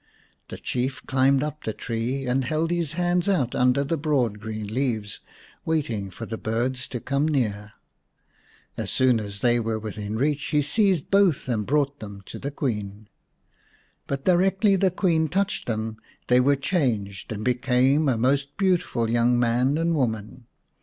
The Chief climbed up the tree and held his hands out under the broad green leaves, waiting for the birds to come near. As soon as they were within reach he seized both and brought them to the Queen. But directly the Queen touched them they were changed, and became a most beautiful young man and woman.